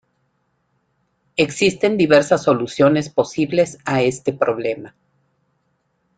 Existen diversas soluciones posibles a este problema.